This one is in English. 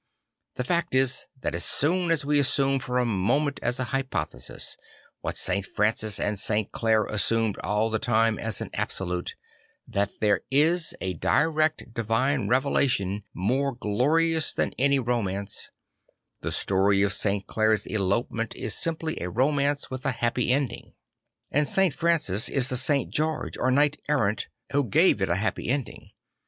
The fact is that as soon as we assume for a moment as a hypothesis, what St. Francis and St. Clare assumed all the time as an absolute, that there is a direct divine relation more glorious than any romance, the story of St. Clare's elopement is simply a romance with a happy ending; and St. Francis is the St. George or knight errant who gave it a happy ending.